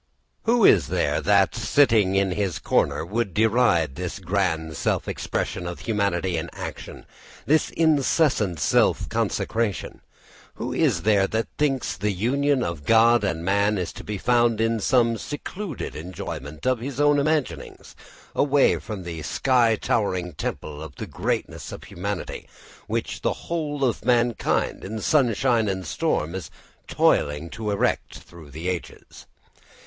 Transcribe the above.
Who is there that, sitting in his corner, would deride this grand self expression of humanity in action, this incessant self consecration? Who is there that thinks the union of God and man is to be found in some secluded enjoyment of his own imaginings, away from the sky towering temple of the greatness of humanity, which the whole of mankind, in sunshine and storm, is toiling to erect through the ages?